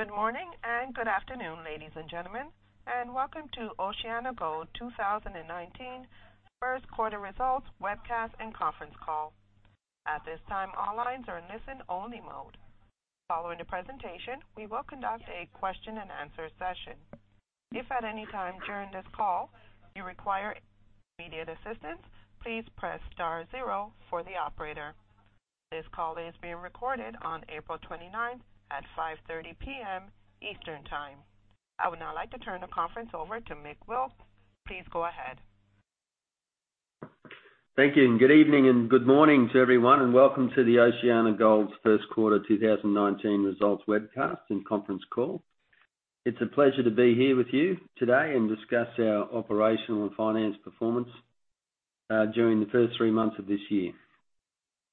Good morning and good afternoon, ladies and gentlemen, and welcome to OceanaGold 2019 first quarter results webcast and conference call. At this time, all lines are in listen only mode. Following the presentation, we will conduct a question and answer session. If at any time during this call you require immediate assistance, please press star zero for the operator. This call is being recorded on April 29th at 5:30 P.M., Eastern Time. I would now like to turn the conference over to Mick Wilkes. Please go ahead. Thank you. Good evening and good morning to everyone, and welcome to OceanaGold's first quarter 2019 results webcast and conference call. It's a pleasure to be here with you today and discuss our operational and finance performance during the first three months of this year.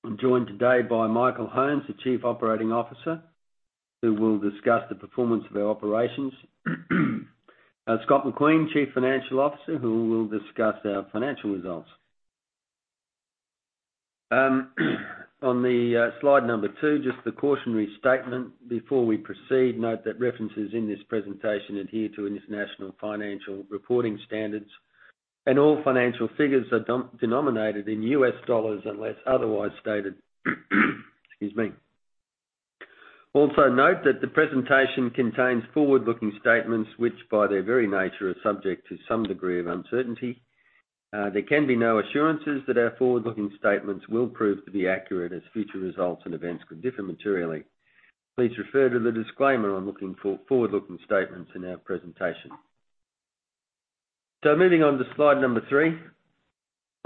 I'm joined today by Michael Holmes, the Chief Operating Officer, who will discuss the performance of our operations. Scott McQueen, Chief Financial Officer, who will discuss our financial results. On slide number two, just the cautionary statement before we proceed. Note that references in this presentation adhere to International Financial Reporting Standards, and all financial figures are denominated in U.S. dollars unless otherwise stated. Excuse me. Also note that the presentation contains forward-looking statements, which by their very nature are subject to some degree of uncertainty. There can be no assurances that our forward-looking statements will prove to be accurate as future results and events could differ materially. Please refer to the disclaimer on forward-looking statements in our presentation. Moving on to slide number three.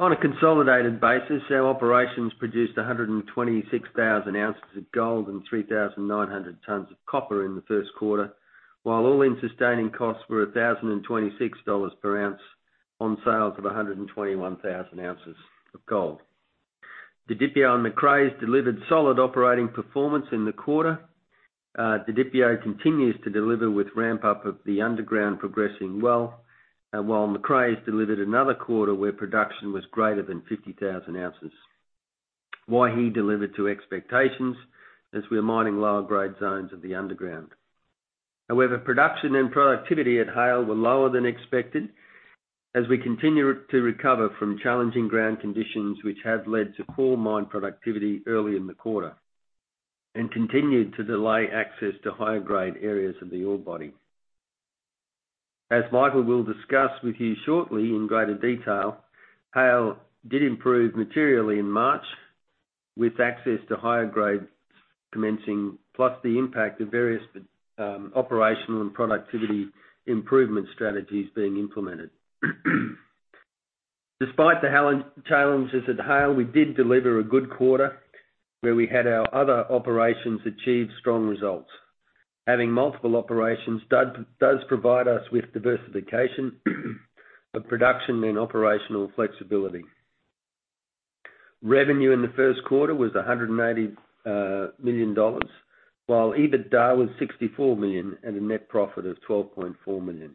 On a consolidated basis, our operations produced 126,000 ounces of gold and 3,900 tons of copper in the first quarter, while all-in sustaining costs were $1,026 per ounce on sales of 121,000 ounces of gold. Didipio and Macraes delivered solid operating performance in the quarter. Didipio continues to deliver with ramp-up of the underground progressing well, while Macraes delivered another quarter where production was greater than 50,000 ounces. Waihi delivered to expectations, as we are mining lower grade zones of the underground. However, production and productivity at Haile were lower than expected, as we continue to recover from challenging ground conditions which have led to poor mine productivity early in the quarter and continued to delay access to higher grade areas of the ore body. As Michael will discuss with you shortly in greater detail, Haile did improve materially in March with access to higher grades commencing, plus the impact of various operational and productivity improvement strategies being implemented. Despite the challenges at Haile, we did deliver a good quarter where we had our other operations achieve strong results. Having multiple operations does provide us with diversification, but production and operational flexibility. Revenue in the first quarter was $180 million, while EBITDA was $64 million and a net profit of $12.4 million.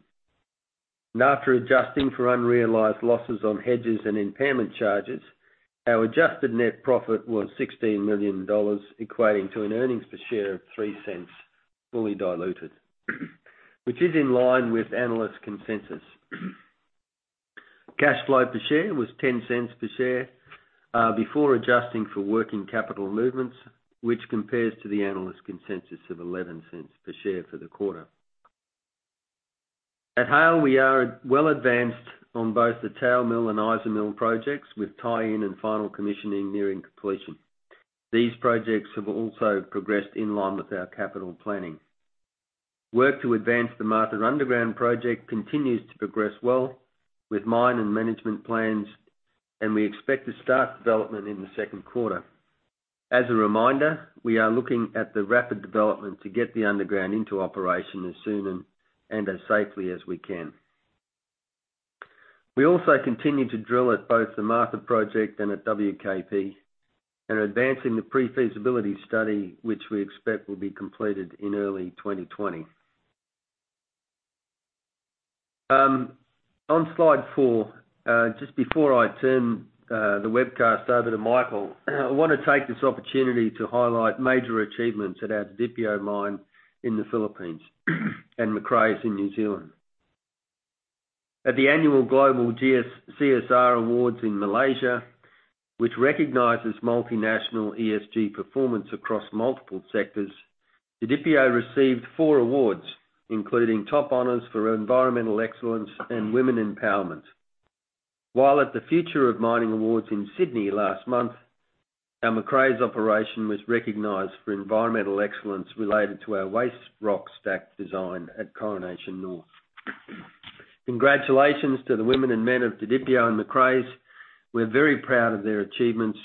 After adjusting for unrealized losses on hedges and impairment charges, our adjusted net profit was $16 million, equating to an earnings per share of $0.03 fully diluted, which is in line with analyst consensus. Cash flow per share was $0.10 per share, before adjusting for working capital movements, which compares to the analyst consensus of $0.11 per share for the quarter. At Haile, we are well advanced on both the Tao Mill and IsaMill projects, with tie-in and final commissioning nearing completion. These projects have also progressed in line with our capital planning. Work to advance the Martha underground project continues to progress well with mine and management plans, and we expect to start development in the second quarter. As a reminder, we are looking at the rapid development to get the underground into operation as soon and as safely as we can. We also continue to drill at both the Martha project and at WKP, and are advancing the pre-feasibility study, which we expect will be completed in early 2020. On slide four, just before I turn the webcast over to Michael, I want to take this opportunity to highlight major achievements at our Didipio mine in the Philippines and Macraes in New Zealand. At the annual Global CSR Awards in Malaysia, which recognizes multinational ESG performance across multiple sectors, Didipio received four awards, including top honors for environmental excellence and women empowerment. While at the Future of Mining Awards in Sydney last month, our Macraes operation was recognized for environmental excellence related to our waste rock stack design at Coronation North. Congratulations to the women and men of Didipio and Macraes. We're very proud of their achievements.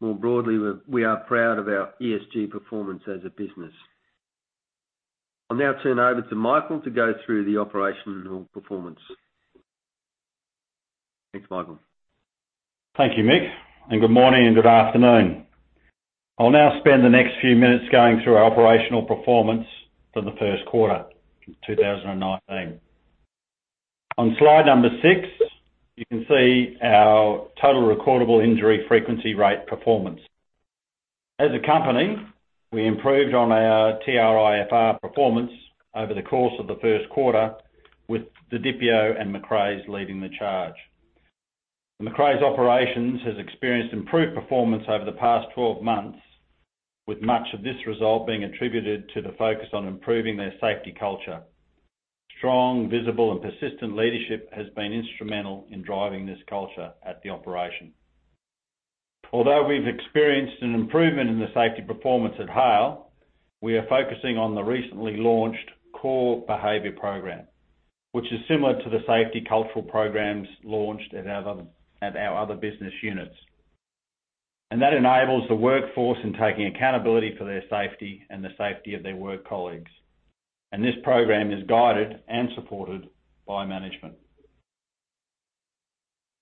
More broadly, we are proud of our ESG performance as a business. I'll now turn over to Michael to go through the operational performance. Thanks, Michael. Thank you, Mick, good morning and good afternoon. I'll now spend the next few minutes going through our operational performance for the first quarter in 2019. On slide number six, you can see our TRIFR performance. As a company, we improved on our TRIFR performance over the course of the first quarter with Didipio and Macraes leading the charge. The Macraes operations has experienced improved performance over the past 12 months, with much of this result being attributed to the focus on improving their safety culture. Strong, visible, and persistent leadership has been instrumental in driving this culture at the operation. Although we've experienced an improvement in the safety performance at Haile, we are focusing on the recently launched Core Behaviour program, which is similar to the safety cultural programs launched at our other business units. That enables the workforce in taking accountability for their safety and the safety of their work colleagues. This program is guided and supported by management.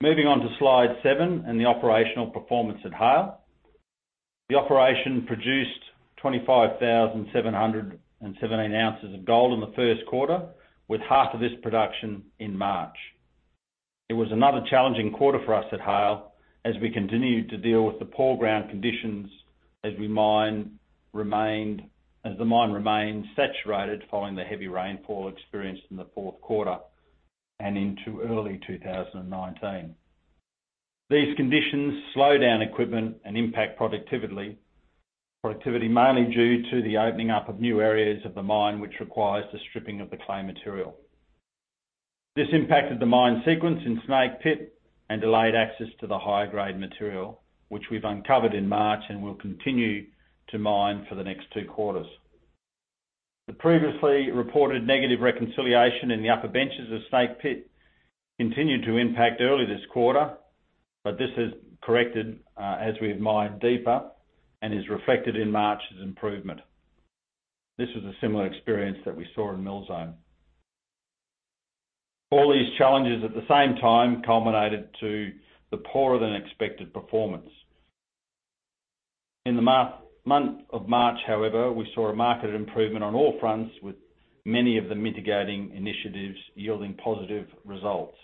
Moving on to slide seven and the operational performance at Haile. The operation produced 25,717 ounces of gold in the first quarter, with half of this production in March. It was another challenging quarter for us at Haile, as we continued to deal with the poor ground conditions as the mine remains saturated following the heavy rainfall experienced in the fourth quarter and into early 2019. These conditions slow down equipment and impact productivity, mainly due to the opening up of new areas of the mine, which requires the stripping of the clay material. This impacted the mine sequence in Snake Pit and delayed access to the higher-grade material, which we've uncovered in March and will continue to mine for the next two quarters. The previously reported negative reconciliation in the upper benches of Snake Pit continued to impact early this quarter, but this has corrected as we have mined deeper and is reflected in March's improvement. This was a similar experience that we saw in Mill Zone. All these challenges at the same time culminated to the poorer than expected performance. In the month of March, however, we saw a marked improvement on all fronts, with many of the mitigating initiatives yielding positive results.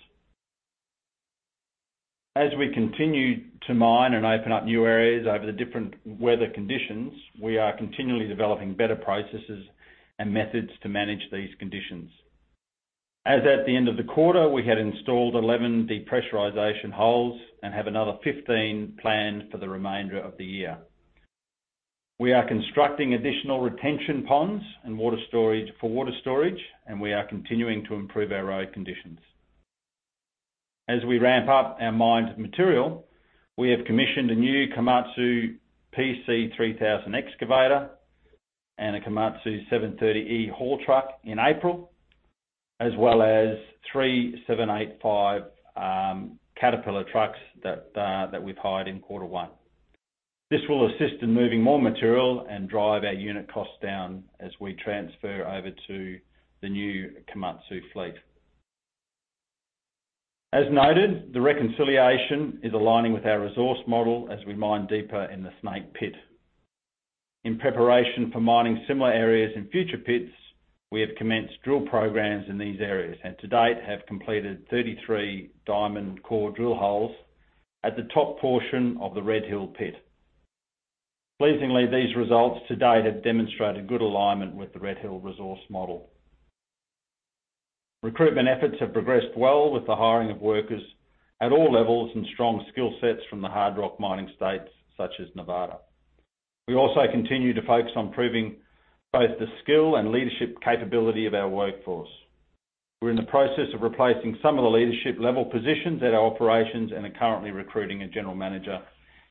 As we continue to mine and open up new areas over the different weather conditions, we are continually developing better processes and methods to manage these conditions. As at the end of the quarter, we had installed 11 depressurization holes and have another 15 planned for the remainder of the year. We are constructing additional retention ponds and water storage for water storage, we are continuing to improve our road conditions. As we ramp up our mined material, we have commissioned a new Komatsu PC3000 excavator and a Komatsu 730E haul truck in April, as well as three 785 Caterpillar trucks that we've hired in quarter one. This will assist in moving more material and drive our unit costs down as we transfer over to the new Komatsu fleet. As noted, the reconciliation is aligning with our resource model as we mine deeper in the Snake Pit. In preparation for mining similar areas in future pits, we have commenced drill programs in these areas, to date have completed 33 diamond core drill holes at the top portion of the Red Hill Pit. Pleasingly, these results to date have demonstrated good alignment with the Red Hill resource model. Recruitment efforts have progressed well with the hiring of workers at all levels and strong skill sets from the hard rock mining states such as Nevada. We also continue to focus on improving both the skill and leadership capability of our workforce. We're in the process of replacing some of the leadership level positions at our operations and are currently recruiting a general manager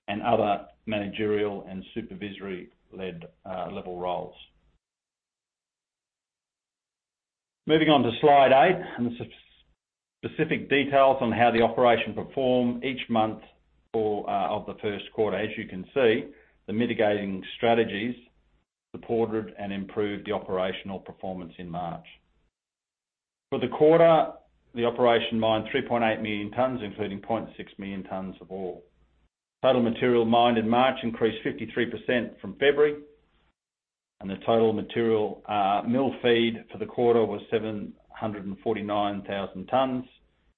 and other managerial and supervisory-led level roles. Moving on to slide eight, and the specific details on how the operation performed each month of the first quarter. As you can see, the mitigating strategies supported and improved the operational performance in March. For the quarter, the operation mined 3.8 million tons, including 0.6 million tons of ore. Total material mined in March increased 53% from February, and the total material mill feed for the quarter was 749,000 tons,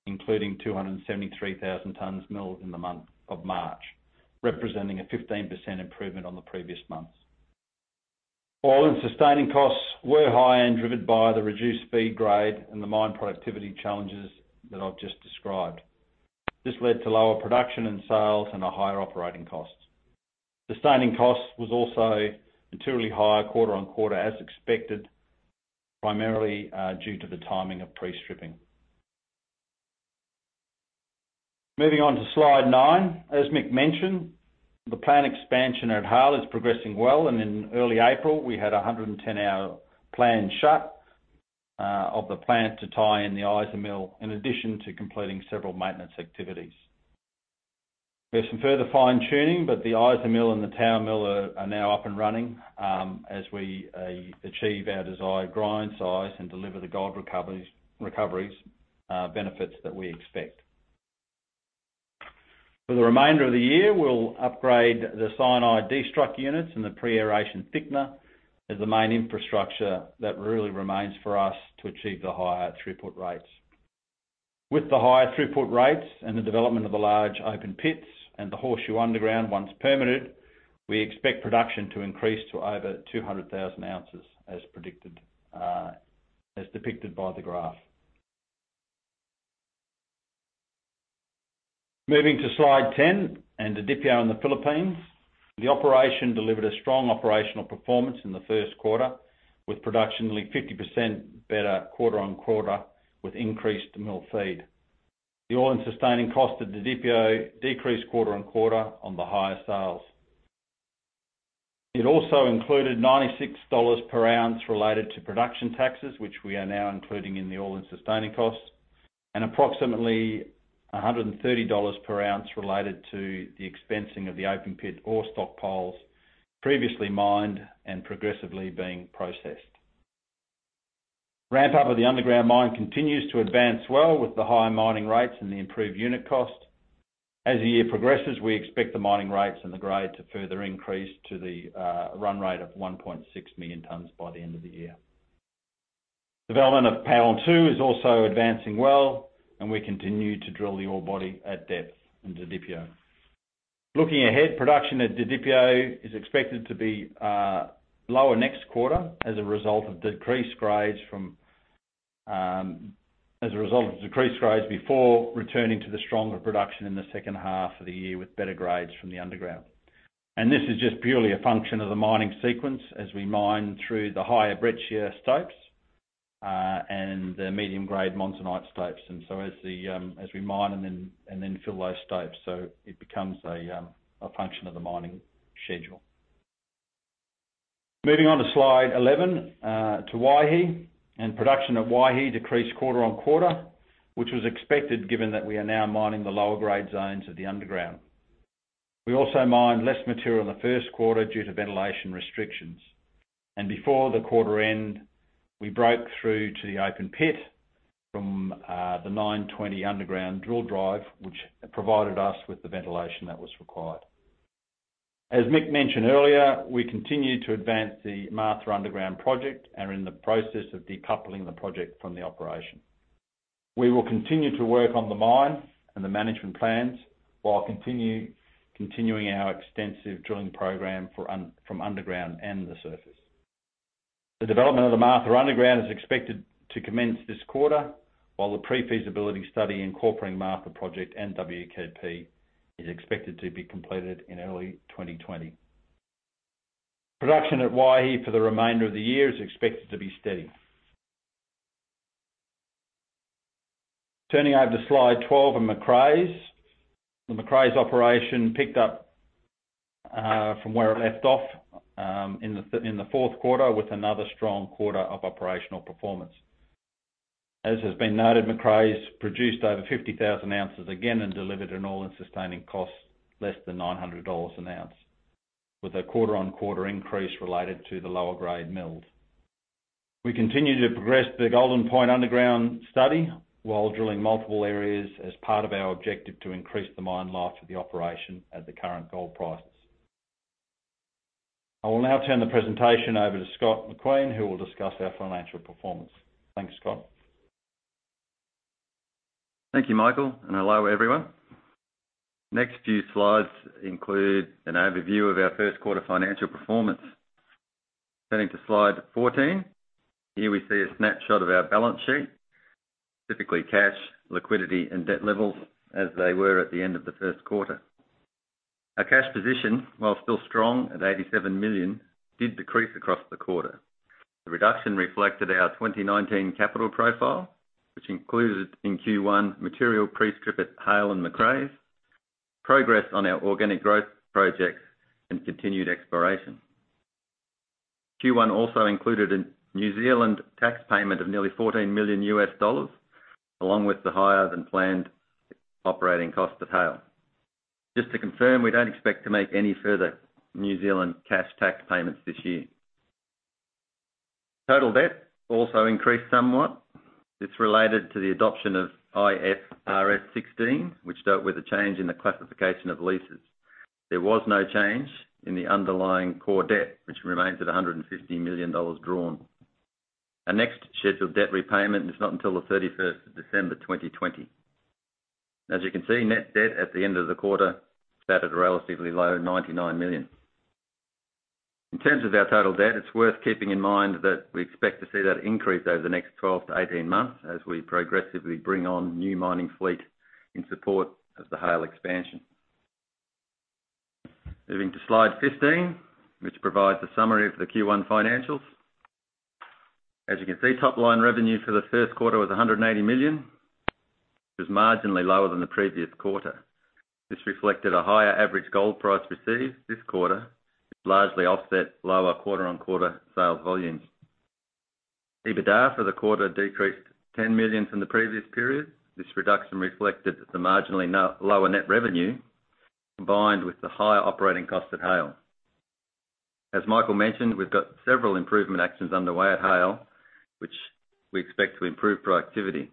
including 273,000 tons milled in the month of March, representing a 15% improvement on the previous months. all-in sustaining costs were high and driven by the reduced feed grade and the mine productivity challenges that I've just described. This led to lower production and sales and a higher operating cost. Sustaining costs was also materially higher quarter-on-quarter as expected, primarily due to the timing of pre-stripping. Moving on to slide nine. As Mick mentioned, the plant expansion at Haile is progressing well, and in early April, we had a 110-hour planned shut of the plant to tie in the IsaMill, in addition to completing several maintenance activities. We have some further fine-tuning, but the IsaMill and the Tower Mill are now up and running as we achieve our desired grind size and deliver the gold recoveries benefits that we expect. For the remainder of the year, we'll upgrade the cyanide destruct units and the pre-aeration thickener as the main infrastructure that really remains for us to achieve the higher throughput rates. With the higher throughput rates and the development of the large open pits and the Horseshoe Underground once permitted, we expect production to increase to over 200,000 ounces as depicted by the graph. Moving to slide 10 and Didipio in the Philippines. The operation delivered a strong operational performance in the first quarter, with production nearly 50% better quarter-on-quarter, with increased mill feed. The all-in sustaining costs at Didipio decreased quarter-on-quarter on the higher sales. It also included $96 per ounce related to production taxes, which we are now including in the all-in sustaining costs, and approximately $130 per ounce related to the expensing of the open pit ore stockpiles previously mined and progressively being processed. Ramp-up of the underground mine continues to advance well with the higher mining rates and the improved unit cost. As the year progresses, we expect the mining rates and the grade to further increase to the run rate of 1.6 million tonnes by the end of the year. Development of Panel Two is also advancing well, and we continue to drill the ore body at depth in Didipio. Looking ahead, production at Didipio is expected to be lower next quarter as a result of decreased grades before returning to the stronger production in the second half of the year with better grades from the underground. This is just purely a function of the mining sequence as we mine through the higher breccia stopes, and the medium grade monzonite stopes. As we mine and then fill those stopes, so it becomes a function of the mining schedule. Moving on to slide 11, to Waihi. Production at Waihi decreased quarter-on-quarter, which was expected given that we are now mining the lower grade zones of the underground. We also mined less material in the first quarter due to ventilation restrictions. Before the quarter end, we broke through to the open pit from the 920 underground drill drive, which provided us with the ventilation that was required. As Mick mentioned earlier, we continue to advance the Martha underground project and are in the process of decoupling the project from the operation. We will continue to work on the mine and the management plans while continuing our extensive drilling program from underground and the surface. The development of the Martha underground is expected to commence this quarter, while the pre-feasibility study incorporating Martha project and WKP is expected to be completed in early 2020. Production at Waihi for the remainder of the year is expected to be steady. Turning over to slide 12 of Macraes. The Macraes operation picked up from where it left off in the fourth quarter with another strong quarter of operational performance. As has been noted, Macraes produced over 50,000 ounces again and delivered an all-in sustaining cost less than $900 an ounce, with a quarter-on-quarter increase related to the lower grade mills. We continue to progress the Golden Point underground study while drilling multiple areas as part of our objective to increase the mine life of the operation at the current gold prices. I will now turn the presentation over to Scott McQueen, who will discuss our financial performance. Thanks, Scott. Thank you, Michael, and hello, everyone. Next few slides include an overview of our first quarter financial performance. Turning to slide 14. Here we see a snapshot of our balance sheet, specifically cash, liquidity, and debt levels as they were at the end of the first quarter. Our cash position, while still strong at $87 million, did decrease across the quarter. The reduction reflected our 2019 capital profile, which included in Q1 material pre-strip at Haile and Macraes, progress on our organic growth projects, and continued exploration. Q1 also included a New Zealand tax payment of nearly $14 million US, along with the higher-than-planned operating cost to Haile. Just to confirm, we do not expect to make any further New Zealand cash tax payments this year. Total debt also increased somewhat. It is related to the adoption of IFRS 16, which dealt with the change in the classification of leases. There was no change in the underlying core debt, which remains at $150 million drawn. Our next scheduled debt repayment is not until the 31st of December 2020. As you can see, net debt at the end of the quarter sat at a relatively low $99 million. In terms of our total debt, it is worth keeping in mind that we expect to see that increase over the next 12 to 18 months as we progressively bring on new mining fleet in support of the Haile expansion. Moving to slide 15, which provides a summary of the Q1 financials. As you can see, top-line revenue for the first quarter was $180 million. It was marginally lower than the previous quarter. This reflected a higher average gold price received this quarter, which largely offset lower quarter-on-quarter sales volumes. EBITDA for the quarter decreased $10 million from the previous period. This reduction reflected the marginally lower net revenue, combined with the higher operating cost at Haile. Michael mentioned, we've got several improvement actions underway at Haile, which we expect to improve productivity.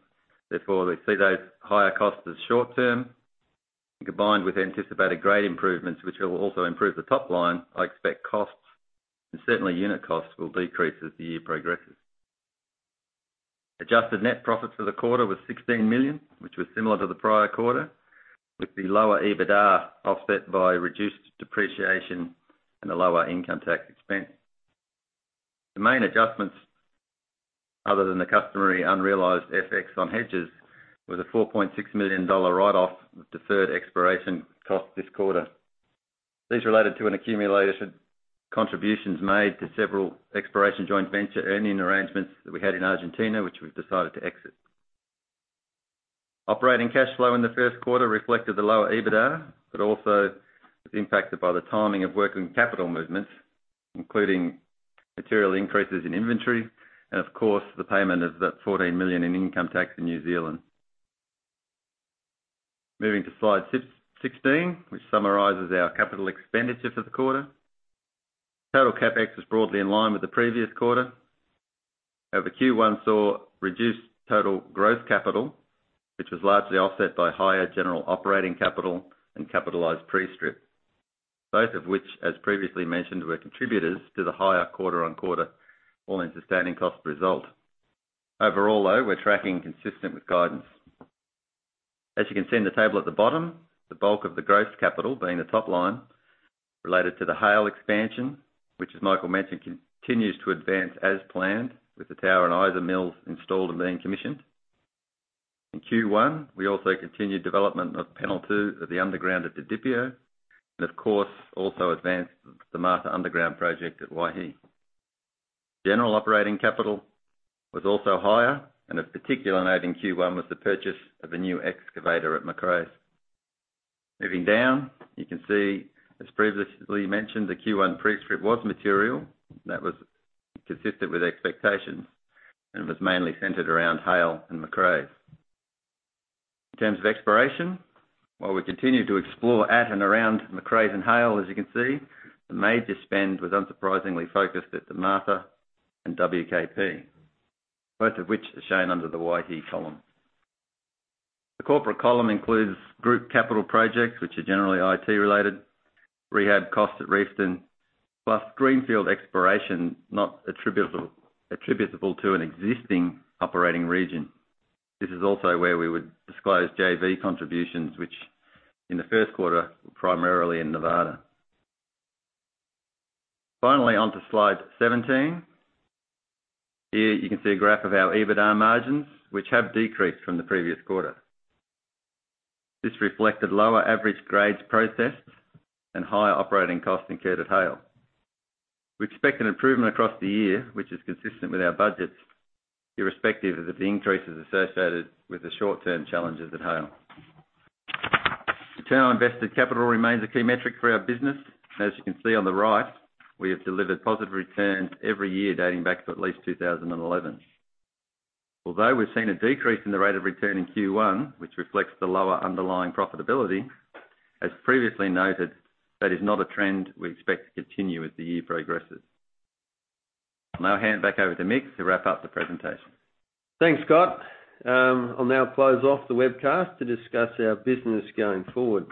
We see those higher costs as short-term, and combined with anticipated grade improvements, which will also improve the top line, I expect costs, and certainly unit costs, will decrease as the year progresses. Adjusted net profit for the quarter was $16 million, which was similar to the prior quarter, with the lower EBITDA offset by reduced depreciation and a lower income tax expense. The main adjustments, other than the customary unrealized FX on hedges, was a $4.6 million write-off of deferred exploration costs this quarter. These related to an accumulated contributions made to several exploration joint venture earning arrangements that we had in Argentina, which we've decided to exit. Operating cash flow in the first quarter reflected the lower EBITDA, also was impacted by the timing of working capital movements, including material increases in inventory and, of course, the payment of that $14 million in income tax in New Zealand. Moving to slide 16, which summarizes our capital expenditure for the quarter. Total CapEx is broadly in line with the previous quarter. Q1 saw reduced total growth capital, which was largely offset by higher general operating capital and capitalized pre-strip, both of which, as previously mentioned, were contributors to the higher quarter-on-quarter all-in sustaining costs result. Overall, though, we're tracking consistent with guidance. You can see in the table at the bottom, the bulk of the gross capital, being the top line, related to the Haile expansion, which, as Michael mentioned, continues to advance as planned, with the tower and IsaMills installed and being commissioned. In Q1, we also continued development of panel 2 of the underground at Didipio, of course, also advanced the Martha underground project at Waihi. General operating capital was also higher, of particular note in Q1 was the purchase of a new excavator at Macraes. Moving down, you can see, as previously mentioned, the Q1 pre-strip was material that was consistent with expectations and was mainly centered around Haile and Macraes. Terms of exploration, while we continue to explore at and around Macraes and Haile, as you can see, the major spend was unsurprisingly focused at the Martha and WKP, both of which are shown under the Waihi column. The corporate column includes group capital projects, which are generally IT related, rehab costs at Reefton, plus greenfield exploration not attributable to an existing operating region. This is also where we would disclose JV contributions, which in the first quarter, were primarily in Nevada. Onto slide 17. Here, you can see a graph of our EBITDA margins, which have decreased from the previous quarter. This reflected lower average grades processed and higher operating costs incurred at Haile. We expect an improvement across the year, which is consistent with our budgets, irrespective of the increases associated with the short-term challenges at Haile. Return on invested capital remains a key metric for our business. You can see on the right, we have delivered positive returns every year dating back to at least 2011. We've seen a decrease in the rate of return in Q1, which reflects the lower underlying profitability, as previously noted, that is not a trend we expect to continue as the year progresses. I'll now hand back over to Mick to wrap up the presentation. Thanks, Scott. I'll now close off the webcast to discuss our business going forward.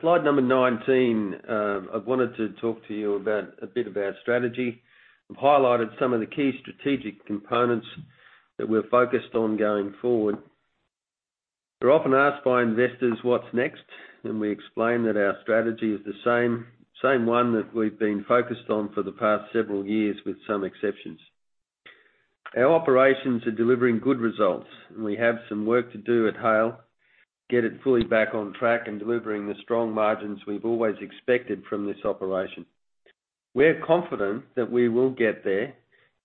Slide number 19. I wanted to talk to you a bit about strategy. I've highlighted some of the key strategic components that we're focused on going forward. We're often asked by investors what's next, and we explain that our strategy is the same one that we've been focused on for the past several years, with some exceptions. Our operations are delivering good results, and we have some work to do at Haile to get it fully back on track and delivering the strong margins we've always expected from this operation. We're confident that we will get there,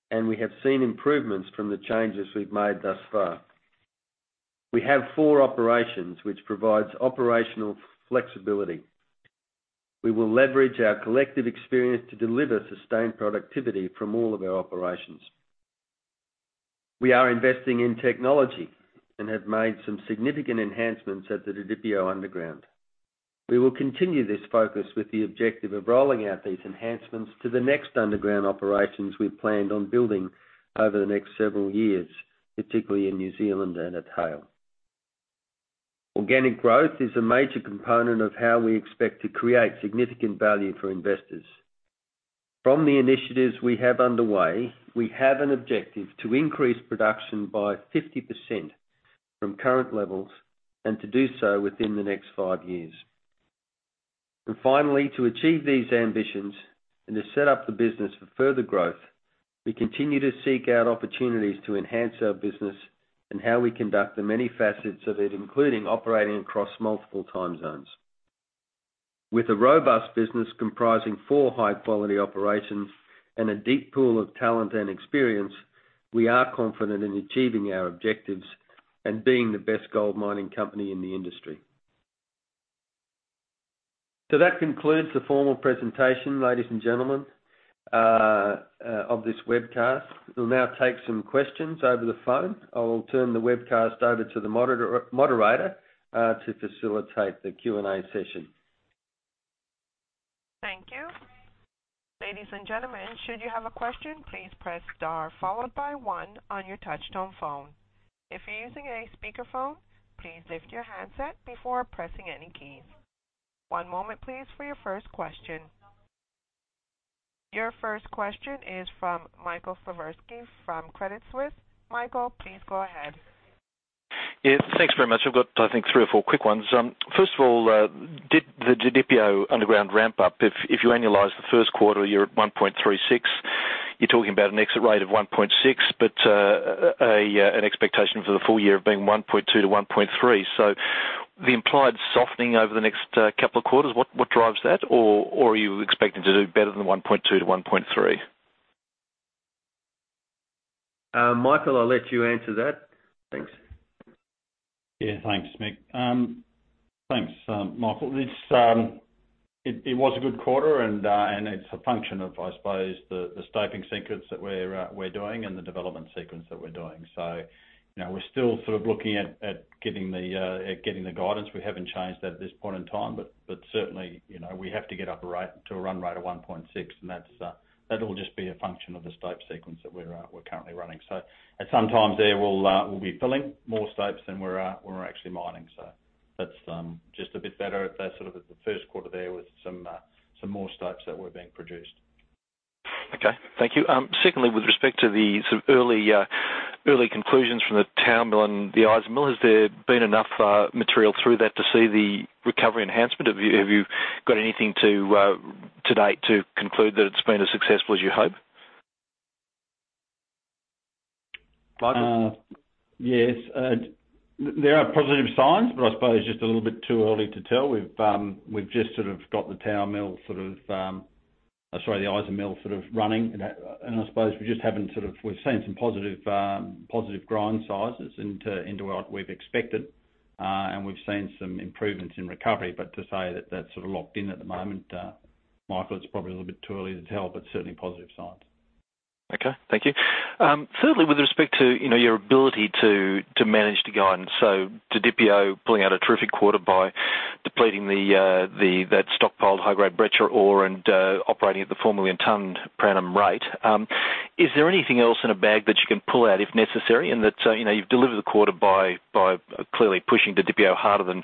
and we have seen improvements from the changes we've made thus far. We have four operations, which provides operational flexibility. We will leverage our collective experience to deliver sustained productivity from all of our operations. We are investing in technology and have made some significant enhancements at the Didipio underground. We will continue this focus with the objective of rolling out these enhancements to the next underground operations we've planned on building over the next several years, particularly in New Zealand and at Haile. Organic growth is a major component of how we expect to create significant value for investors. From the initiatives we have underway, we have an objective to increase production by 50% from current levels and to do so within the next five years. Finally, to achieve these ambitions and to set up the business for further growth, we continue to seek out opportunities to enhance our business and how we conduct the many facets of it, including operating across multiple time zones. With a robust business comprising four high-quality operations and a deep pool of talent and experience, we are confident in achieving our objectives and being the best gold mining company in the industry. That concludes the formal presentation, ladies and gentlemen, of this webcast. We'll now take some questions over the phone. I will turn the webcast over to the moderator to facilitate the Q&A session. Thank you. Ladies and gentlemen, should you have a question, please press star followed by one on your touch tone phone. If you're using a speakerphone, please lift your handset before pressing any keys. One moment, please, for your first question. Your first question is from Michael Siperco from Credit Suisse. Michael, please go ahead. Yes, thanks very much. I've got, I think, three or four quick ones. First of all, the Didipio underground ramp up. If you annualize the first quarter, you're at 1.36. You're talking about an exit rate of 1.6, but an expectation for the full year of being 1.2-1.3. The implied softening over the next couple of quarters, what drives that? Are you expecting to do better than the 1.2-1.3? Michael, I'll let you answer that. Thanks. Yeah. Thanks, Mick. Thanks, Michael. It was a good quarter, and it's a function of, I suppose, the staking sequence that we're doing and the development sequence that we're doing. We're still sort of looking at getting the guidance. We haven't changed that at this point in time, but certainly, we have to get up to a run rate of 1.6, and that will just be a function of the stope sequence that we're currently running. At some times there, we'll be filling more stopes than we're actually mining. That's just a bit better at that sort of at the first quarter, there was some more stopes that were being produced. Okay. Thank you. Secondly, with respect to the sort of early conclusions from the Tower Mill and the IsaMill, has there been enough material through that to see the recovery enhancement? Have you got anything to date to conclude that it's been as successful as you hope? Michael? Yes. There are positive signs, I suppose just a little bit too early to tell. We've just sort of got the Tower Mill, sorry, the IsaMill sort of running. I suppose we're seeing some positive grind sizes into what we've expected. We've seen some improvements in recovery. To say that that's sort of locked in at the moment, Michael, it's probably a little bit too early to tell, but certainly positive signs. Okay. Thank you. Thirdly, with respect to your ability to manage the guidance, Didipio pulling out a terrific quarter by depleting that stockpiled high-grade breccia ore and operating at the four million ton per annum rate. Is there anything else in a bag that you can pull out if necessary, that you've delivered the quarter by clearly pushing Didipio harder than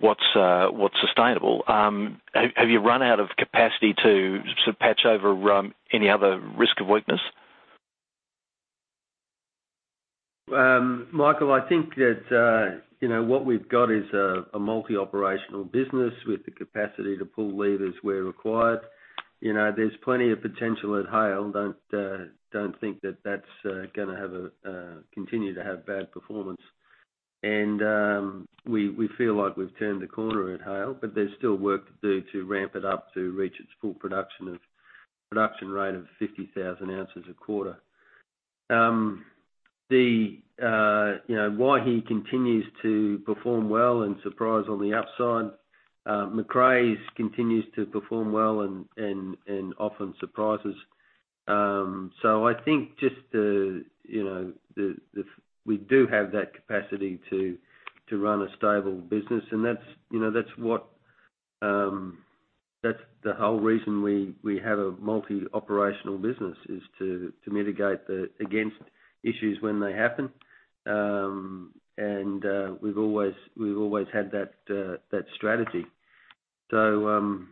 what's sustainable? Have you run out of capacity to sort of patch over any other risk of weakness? Michael, I think that what we've got is a multi-operational business with the capacity to pull levers where required. There's plenty of potential at Haile. Don't think that that's going to continue to have bad performance. We feel like we've turned a corner at Haile, but there's still work to do to ramp it up to reach its full production rate of 50,000 ounces a quarter. Waihi continues to perform well and surprise on the upside. Macraes continues to perform well and often surprises. I think just that we do have that capacity to run a stable business, that's the whole reason we have a multi-operational business is to mitigate against issues when they happen. We've always had that strategy. I'm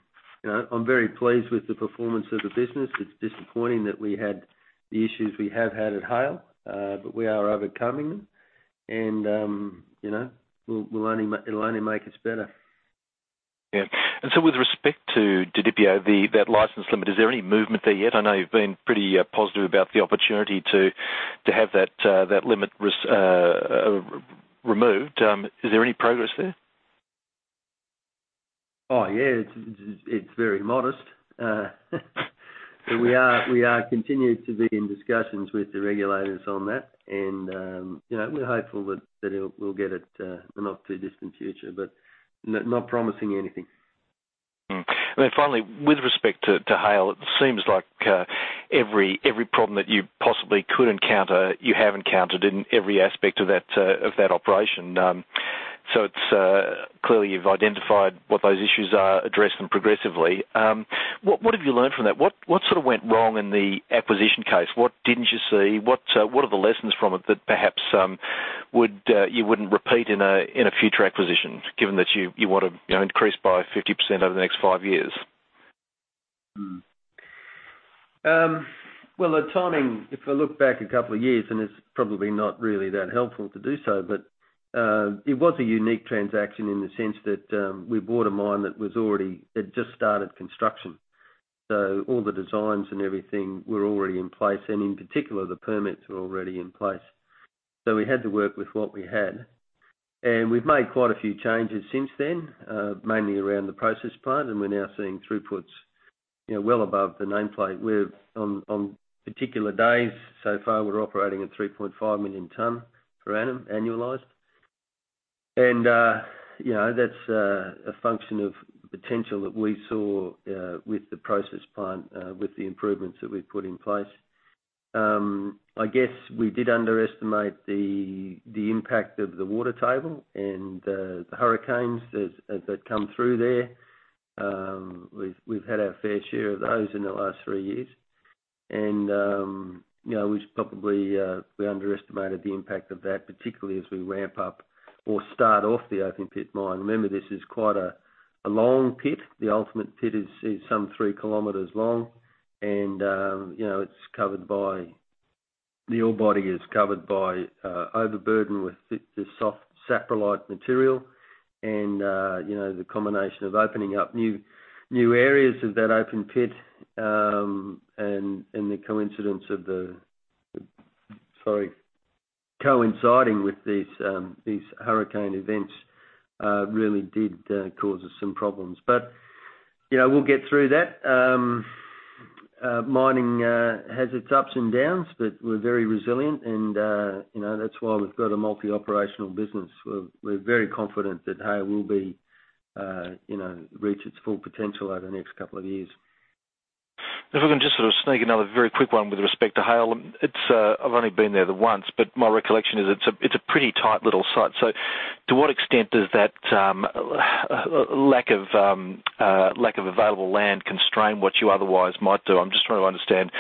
very pleased with the performance of the business. It's disappointing that we had the issues we have had at Haile. We are overcoming them and it'll only make us better. Yeah. With respect to Didipio, that license limit, is there any movement there yet? I know you've been pretty positive about the opportunity to have that limit removed. Is there any progress there? Oh, yeah. It's very modest. We are continued to be in discussions with the regulators on that and, we're hopeful that we'll get it in the not too distant future, but not promising anything. Then finally, with respect to Haile, it seems like every problem that you possibly could encounter, you have encountered in every aspect of that operation. Clearly you've identified what those issues are, address them progressively. What have you learned from that? What sort of went wrong in the acquisition case? What didn't you see? What are the lessons from it that perhaps you wouldn't repeat in a future acquisition, given that you want to increase by 50% over the next five years? The timing, if I look back a couple of years, and it's probably not really that helpful to do so, it was a unique transaction in the sense that we bought a mine that had just started construction. All the designs and everything were already in place, and in particular, the permits were already in place. We had to work with what we had. We've made quite a few changes since then, mainly around the process plant, and we're now seeing throughputs well above the nameplate. On particular days, so far, we're operating at 3.5 million tons per annum annualized. That's a function of the potential that we saw with the process plant, with the improvements that we've put in place. I guess we did underestimate the impact of the water table and the hurricanes that come through there. We've had our fair share of those in the last three years. We probably underestimated the impact of that, particularly as we ramp up or start off the open pit mine. Remember, this is quite a long pit. The ultimate pit is some three kilometers long, and the ore body is covered by overburden with soft saprolite material. The combination of opening up new areas of that open pit and the coinciding with these hurricane events really did cause us some problems. We'll get through that. Mining has its ups and downs, we're very resilient and, that's why we've got a multi-operational business. We're very confident that Haile will reach its full potential over the next couple of years. If we can just sort of sneak another very quick one with respect to Haile. I've only been there the once, my recollection is it's a pretty tight little site. To what extent does that lack of available land constrain what you otherwise might do? I'm just trying to understand.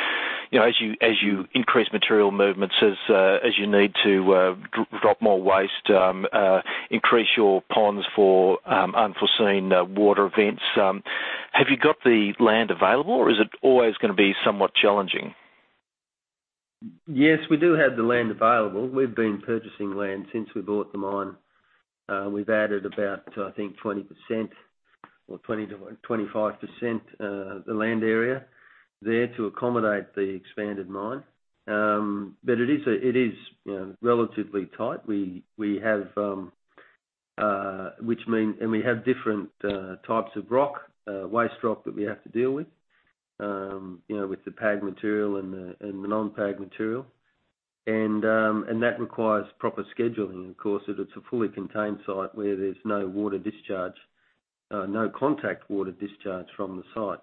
As you increase material movements, as you need to drop more waste, increase your ponds for unforeseen water events, have you got the land available, or is it always going to be somewhat challenging? Yes, we do have the land available. We've been purchasing land since we bought the mine. We've added about, I think, 20% or 25% the land area there to accommodate the expanded mine. It is relatively tight. We have different types of waste rock that we have to deal with the PAG material and the non-PAG material. That requires proper scheduling, of course, if it's a fully contained site where there's no contact water discharge from the site.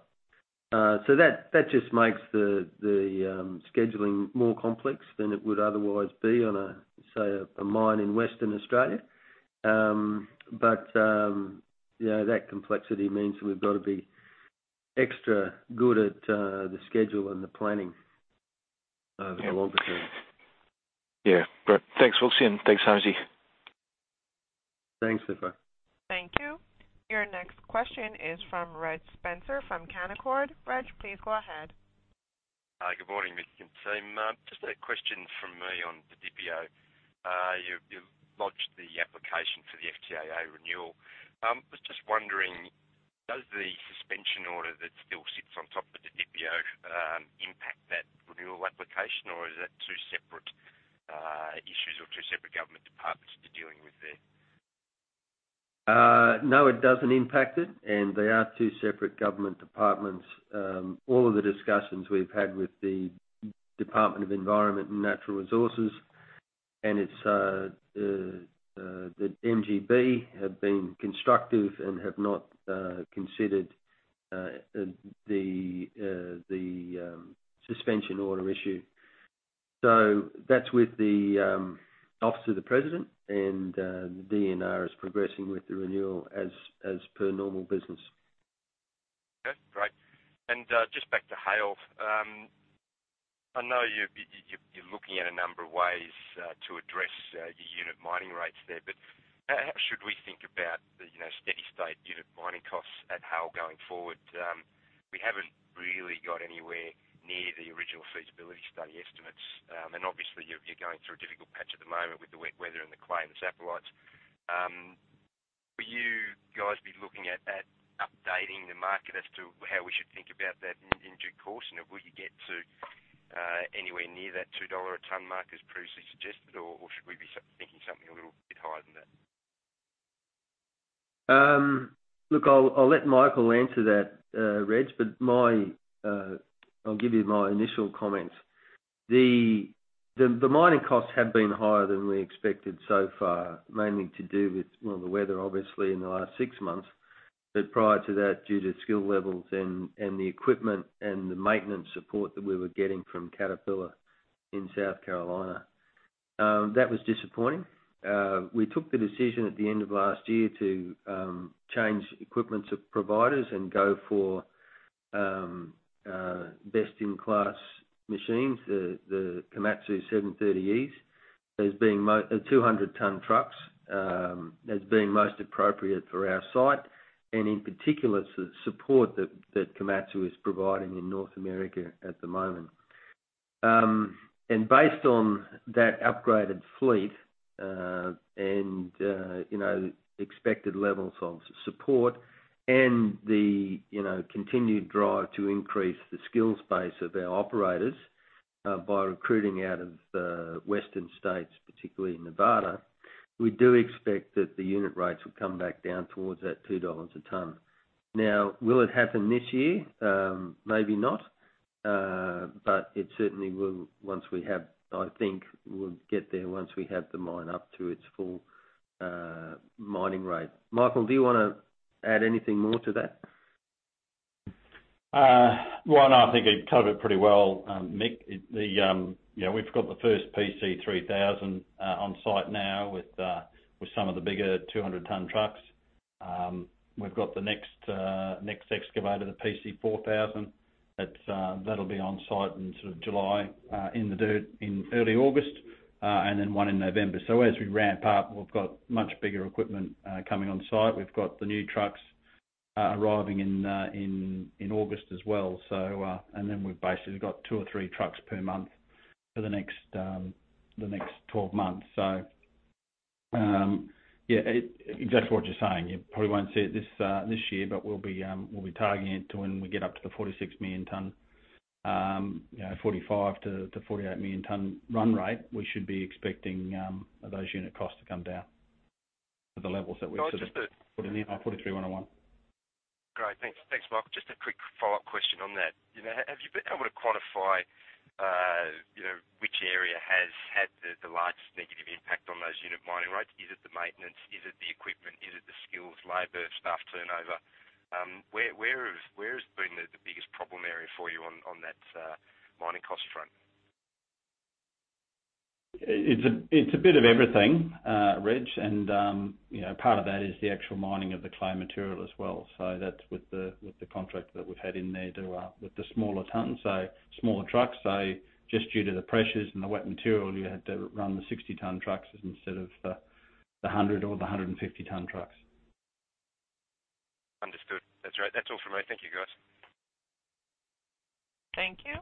That just makes the scheduling more complex than it would otherwise be on a, say, a mine in Western Australia. That complexity means that we've got to be extra good at the schedule and the planning over the longer term. Yeah. Great. Thanks, Wilson. Thanks, Hamzy. Thanks, Trevor. Thank you. Your next question is from Reg Spencer from Canaccord. Reg, please go ahead. Good morning, management team. Just a question from me on the Didipio. You've lodged the application for the FTAA renewal. I was just wondering, does the suspension order that still sits on top of the Didipio impact that renewal application, or is that two separate issues or two separate government departments that you're dealing with there? No, it doesn't impact it, and they are two separate government departments. All of the discussions we've had with the Department of Environment and Natural Resources and the MGB have been constructive and have not considered the suspension order issue. That's with the Office of the President, and DNR is progressing with the renewal as per normal business. Okay, great. Just back to Haile. I know you're looking at a number of ways to address your unit mining rates there, but how should we think about the steady state unit mining costs at Haile going forward? We haven't really got anywhere near the original feasibility study estimates. Obviously, you're going through a difficult patch at the moment with the wet weather and the clay and the saprolites. Will you guys be looking at updating the market as to how we should think about that in due course? Will you get to anywhere near that $2 a ton mark as previously suggested, or should we be thinking something a little bit higher than that? Look, I'll let Michael answer that, Reg. I'll give you my initial comments. The mining costs have been higher than we expected so far, mainly to do with, well, the weather, obviously, in the last six months. Prior to that, due to skill levels and the equipment and the maintenance support that we were getting from Caterpillar in South Carolina. That was disappointing. We took the decision at the end of last year to change equipment providers and go for best-in-class machines, the Komatsu 730Es. There's 200-ton trucks. That's been most appropriate for our site, and in particular, the support that Komatsu is providing in North America at the moment. Based on that upgraded fleet and expected levels of support and the continued drive to increase the skills base of our operators by recruiting out of the western states, particularly Nevada, we do expect that the unit rates will come back down towards that $2 a ton. Now, will it happen this year? Maybe not. But it certainly will, I think, we'll get there once we have the mine up to its full mining rate. Michael, do you want to add anything more to that? Well, no, I think you've covered it pretty well, Mick. We've got the first PC 3000 on site now with some of the bigger 200-ton trucks. We've got the next excavator, the PC 4000, that'll be on site in sort of July, in the dirt in early August, then one in November. As we ramp up, we've got much bigger equipment coming on site. We've got the new trucks arriving in August as well. We've basically got two or three trucks per month for the next 12 months. Yeah, exactly what you're saying. You probably won't see it this year, but we'll be targeting it to when we get up to the 46 million tons, 45 million to 48 million tons run rate, we should be expecting those unit costs to come down to the levels that we sort of- No, just a- Put in the 43-101. Great. Thanks, Michael. A quick follow-up question on that. Have you been able to quantify which area has had the largest negative impact on those unit mining rates? Is it the maintenance? Is it the equipment? Is it the skills, labor, staff turnover? Where has been the biggest problem area for you on that mining cost front? It's a bit of everything, Reg, part of that is the actual mining of the clay material as well. That's with the contract that we've had in there with the smaller tons. Smaller trucks, just due to the pressures and the wet material, you had to run the 60-ton trucks instead of the 100 or the 150-ton trucks. Understood. That's all from me. Thank you, guys. Thank you.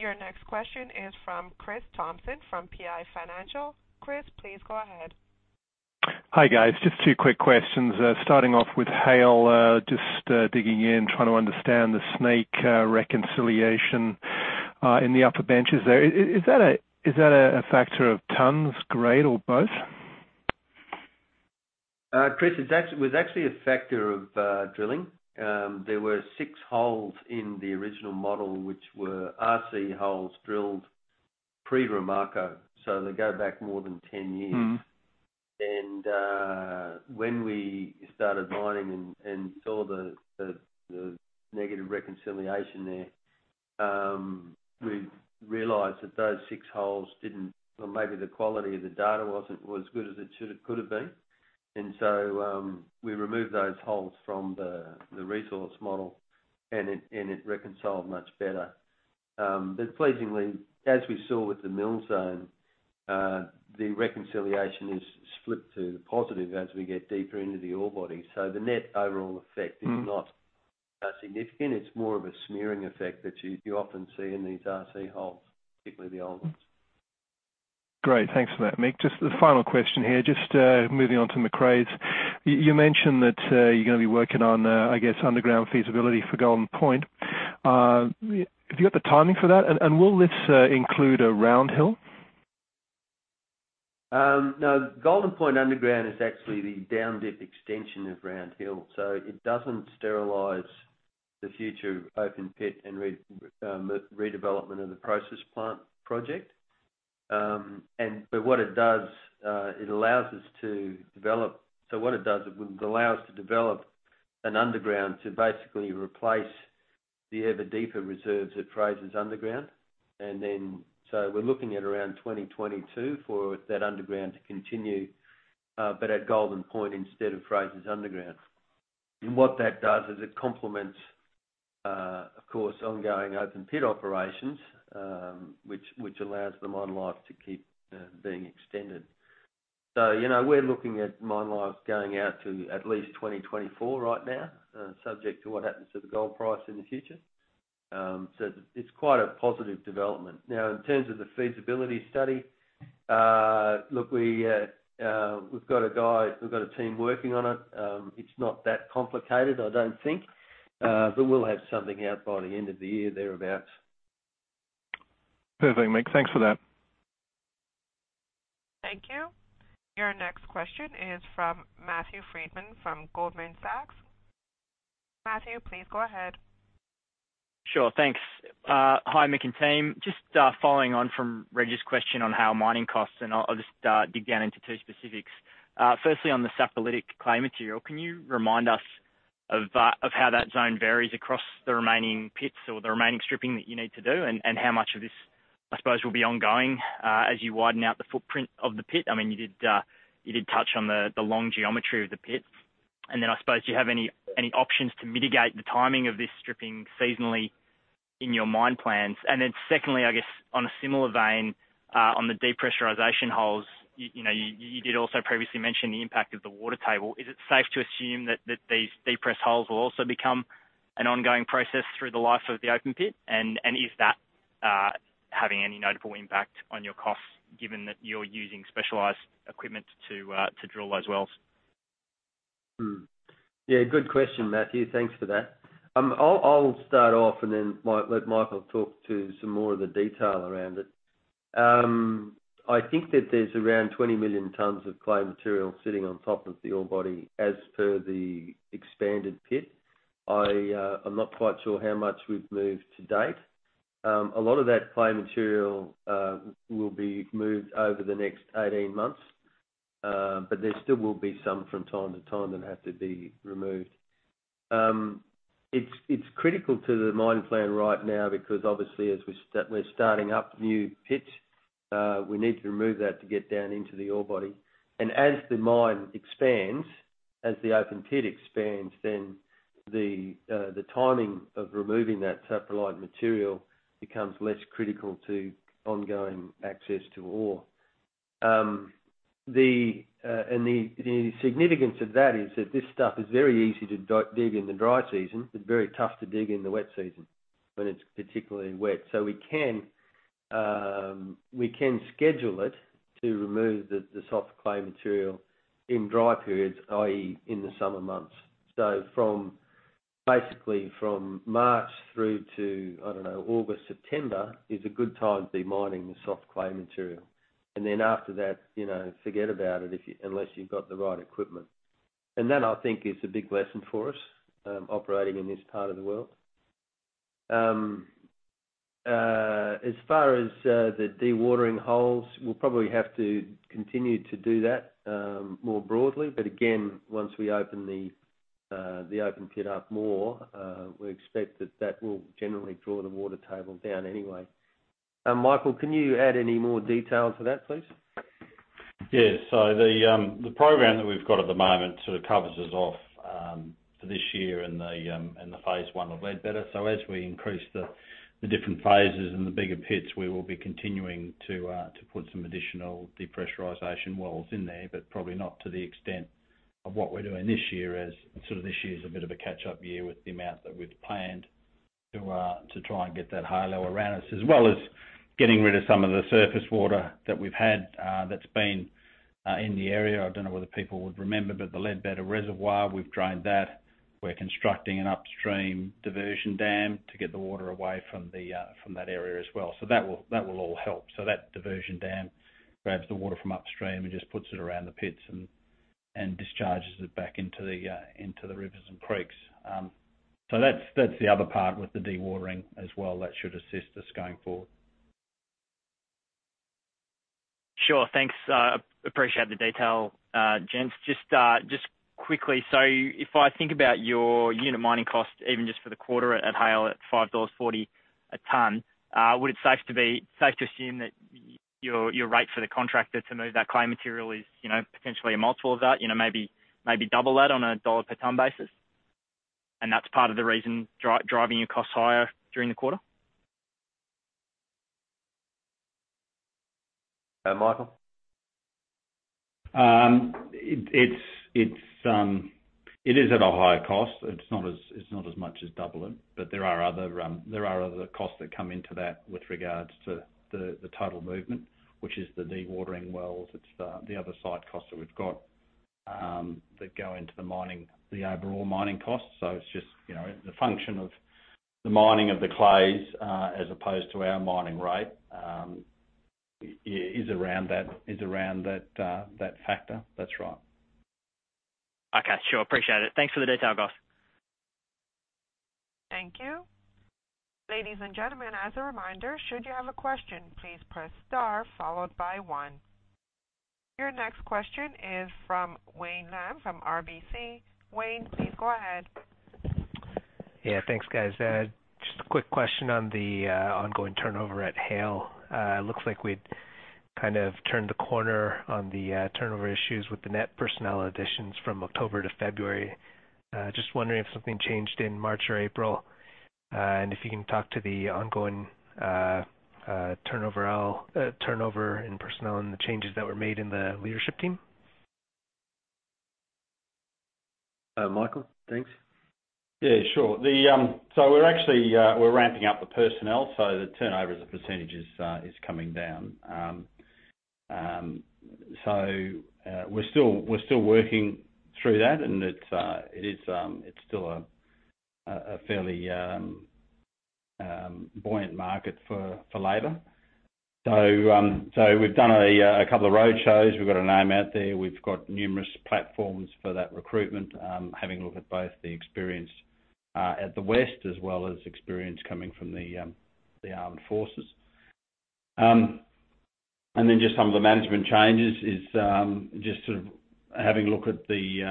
Your next question is from Chris Thompson from PI Financial. Chris, please go ahead. Hi, guys. Just two quick questions, starting off with Haile. Just digging in, trying to understand the snake reconciliation in the upper benches there. Is that a factor of tons, grade, or both? Chris, it was actually a factor of drilling. There were 6 holes in the original model which were RC holes drilled pre-Romarco, so they go back more than 10 years. When we started mining and saw the negative reconciliation there, we realized that those six holes, or maybe the quality of the data wasn't as good as it could have been. We removed those holes from the resource model, and it reconciled much better. Pleasingly, as we saw with the Mill Zone, the reconciliation has flipped to the positive as we get deeper into the ore body. The net overall effect is not significant. It's more of a smearing effect that you often see in these RC holes, particularly the old ones. Great. Thanks for that, Mick. Just the final question here, just moving on to Macraes. You mentioned that you're going to be working on, I guess, underground feasibility for Golden Point. Have you got the timing for that, and will this include Round Hill? No. Golden Point underground is actually the down-dip extension of Round Hill, so it doesn't sterilize the future open pit and redevelopment of the process plant project. What it does, it allows us to develop an underground to basically replace the ever deeper reserves at Frasers underground. We're looking at around 2022 for that underground to continue, but at Golden Point instead of Frasers underground. What that does is it complements, of course, ongoing open-pit operations, which allows the mine life to keep being extended. We're looking at mine life going out to at least 2024 right now, subject to what happens to the gold price in the future. It's quite a positive development. In terms of the feasibility study, look, we've got a team working on it. It's not that complicated, I don't think. We'll have something out by the end of the year, thereabout. Perfect, Mick. Thanks for that. Thank you. Your next question is from Matthew Freedman from Goldman Sachs. Matthew, please go ahead. Sure. Thanks. Hi, Mick and team. Just following on from Reg's question on how mining costs, and I'll just dig down into two specifics. Firstly, on the saprolitic clay material, can you remind us of how that zone varies across the remaining pits or the remaining stripping that you need to do and how much of this, I suppose, will be ongoing as you widen out the footprint of the pit? You did touch on the long geometry of the pit. Then I suppose, do you have any options to mitigate the timing of this stripping seasonally in your mine plans? Then secondly, I guess on a similar vein, on the depressurization holes, you did also previously mention the impact of the water table. Is it safe to assume that these depress holes will also become an ongoing process through the life of the open pit? Is that having any notable impact on your costs given that you're using specialized equipment to drill those wells? Yeah, good question, Matthew. Thanks for that. I'll start off and then let Michael talk to some more of the detail around it. I think that there's around 20 million tons of clay material sitting on top of the ore body as per the expanded pit. I'm not quite sure how much we've moved to date. A lot of that clay material will be moved over the next 18 months, but there still will be some from time to time that have to be removed. It's critical to the mine plan right now because obviously, as we're starting up new pits, we need to remove that to get down into the ore body. As the mine expands, as the open pit expands, then the timing of removing that saprolite material becomes less critical to ongoing access to ore. The significance of that is that this stuff is very easy to dig in the dry season, but very tough to dig in the wet season when it's particularly wet. We can schedule it to remove the soft clay material in dry periods, i.e., in the summer months. Basically from March through to, I don't know, August, September, is a good time to be mining the soft clay material. Then after that, forget about it unless you've got the right equipment. That, I think, is a big lesson for us operating in this part of the world. As far as the dewatering holes, we'll probably have to continue to do that more broadly, but again, once we open the open pit up more, we expect that will generally draw the water table down anyway. Michael, can you add any more detail to that, please? Yes. The program that we've got at the moment sort of covers us off for this year and the phase 1 of Ledbetter. As we increase the different phases and the bigger pits, we will be continuing to put some additional depressurization wells in there, but probably not to the extent of what we're doing this year, as sort of this year's a bit of a catch-up year with the amount that we've planned to try and get that high level around us, as well as getting rid of some of the surface water that we've had that's been in the area. I don't know whether people would remember, but the Ledbetter Reservoir, we've drained that. We're constructing an upstream diversion dam to get the water away from that area as well. That will all help. That diversion dam grabs the water from upstream and just puts it around the pits and discharges it back into the rivers and creeks. That's the other part with the dewatering as well. That should assist us going forward. Sure. Thanks. Appreciate the detail, gents. If I think about your unit mining cost, even just for the quarter at Haile at $5.40 a tonne, would it be safe to assume that your rate for the contractor to move that clay material is potentially a multiple of that? Maybe double that on a dollar per tonne basis? That's part of the reason driving your costs higher during the quarter? Michael? It is at a higher cost. It's not as much as double it, there are other costs that come into that with regards to the total movement, which is the dewatering wells. It's the other site costs that we've got that go into the overall mining costs. It's just the function of the mining of the clays, as opposed to our mining rate, is around that factor. That's right. Sure. Appreciate it. Thanks for the detail, guys. Thank you. Ladies and gentlemen, as a reminder, should you have a question, please press star followed by one. Your next question is from Wayne Lam from RBC. Wayne, please go ahead. Yeah, thanks guys. Just a quick question on the ongoing turnover at Haile. Looks like we'd kind of turned the corner on the turnover issues with the net personnel additions from October to February. Just wondering if something changed in March or April, and if you can talk to the ongoing turnover in personnel and the changes that were made in the leadership team. Michael? Thanks. Yeah, sure. We're actually ramping up the personnel, the turnover as a percentage is coming down. We're still working through that, and it's still a fairly buoyant market for labor. We've done a couple of roadshows. We've got our name out there. We've got numerous platforms for that recruitment, having a look at both the experience at the West as well as experience coming from the armed forces. Then just some of the management changes is just sort of having a look at the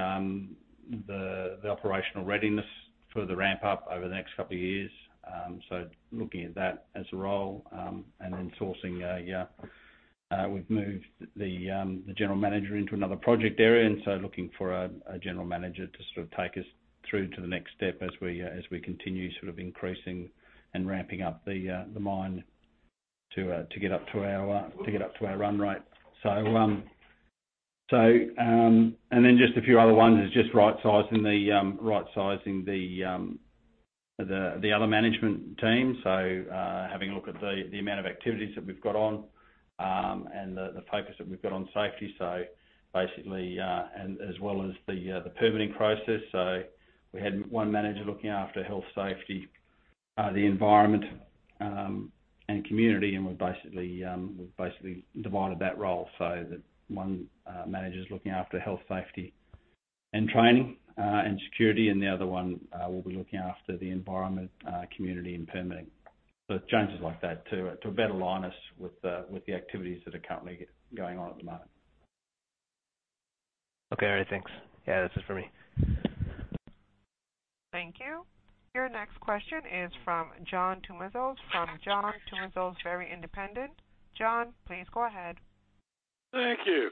operational readiness for the ramp up over the next couple of years. Looking at that as a role, and then sourcing. We've moved the general manager into another project area. Looking for a general manager to sort of take us through to the next step as we continue sort of increasing and ramping up the mine to get up to our run rate. Just a few other ones is just right-sizing the other management team. Having a look at the amount of activities that we've got on The focus that we've got on safety, as well as the permitting process. We had one manager looking after health, safety, the environment, and community. We've basically divided that role so that one manager's looking after health, safety, and training, and security, and the other one will be looking after the environment, community, and permitting. Changes like that to better align us with the activities that are currently going on at the moment. Okay. All right, thanks. Yeah, this is for me. Thank you. Your next question is from John Tumazos from John Tumazos Very Independent. John, please go ahead. Thank you.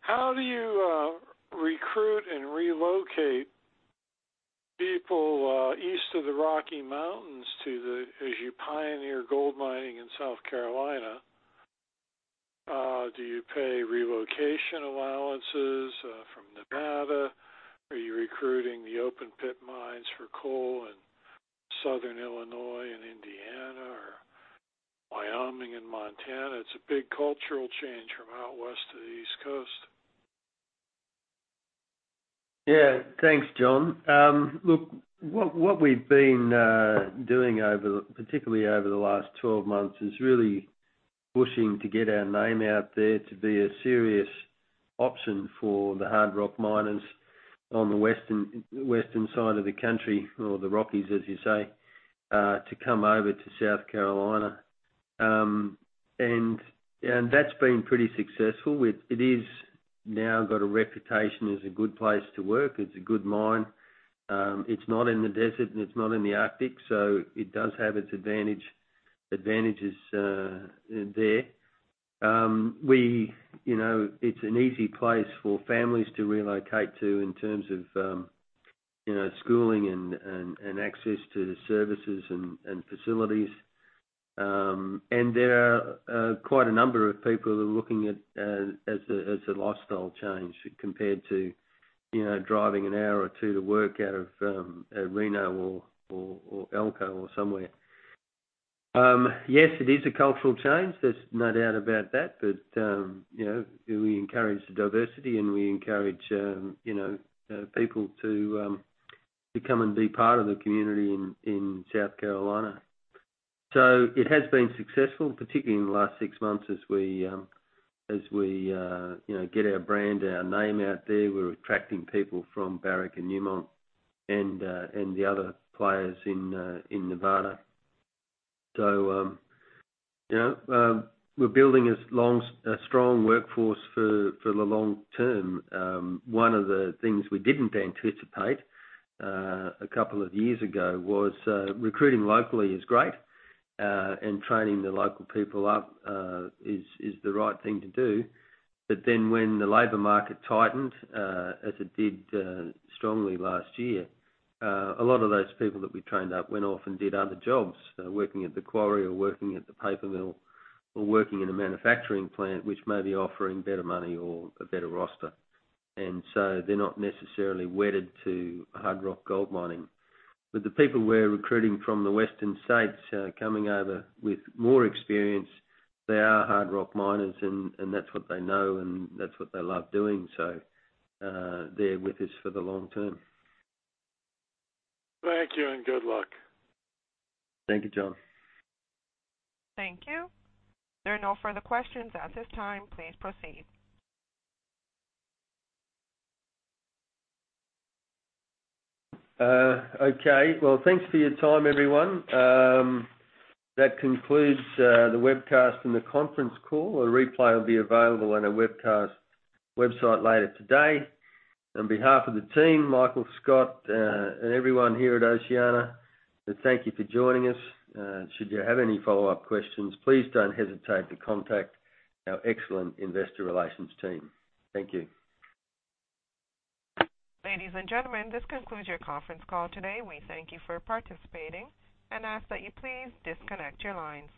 How do you recruit and relocate people east of the Rocky Mountains as you pioneer gold mining in South Carolina? Do you pay relocation allowances from Nevada? Are you recruiting the open pit mines for coal in Southern Illinois and Indiana or Wyoming and Montana? It's a big cultural change from out west to the East Coast. Yeah. Thanks, John. Look, what we've been doing, particularly over the last 12 months, is really pushing to get our name out there to be a serious option for the hard rock miners on the western side of the country, or the Rockies, as you say, to come over to South Carolina. That's been pretty successful. It is now got a reputation as a good place to work. It's a good mine. It's not in the desert, and it's not in the Arctic, so it does have its advantages there. It's an easy place for families to relocate to in terms of schooling and access to services and facilities. There are quite a number of people who are looking at it as a lifestyle change compared to driving an hour or two to work out of Reno or Elko or somewhere. Yes, it is a cultural change. There's no doubt about that. We encourage diversity, and we encourage people to come and be part of the community in South Carolina. It has been successful, particularly in the last 6 months, as we get our brand, our name out there. We're attracting people from Barrick and Newmont and the other players in Nevada. We're building a strong workforce for the long term. One of the things we didn't anticipate a couple of years ago was recruiting locally is great, and training the local people up is the right thing to do. When the labor market tightened, as it did strongly last year, a lot of those people that we trained up went off and did other jobs, working at the quarry or working at the paper mill or working in a manufacturing plant, which may be offering better money or a better roster. They're not necessarily wedded to hard rock gold mining. The people we're recruiting from the western states coming over with more experience, they are hard rock miners, and that's what they know and that's what they love doing. They're with us for the long term. Thank you, good luck. Thank you, John. Thank you. There are no further questions at this time. Please proceed. Okay. Well, thanks for your time, everyone. That concludes the webcast and the conference call. A replay will be available on our webcast website later today. On behalf of the team, Michael, Scott, and everyone here at OceanaGold, thank you for joining us. Should you have any follow-up questions, please don't hesitate to contact our excellent investor relations team. Thank you. Ladies and gentlemen, this concludes your conference call today. We thank you for participating and ask that you please disconnect your lines.